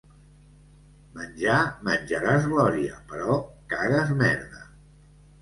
Menjar, menjaràs glòria, però cagues merda.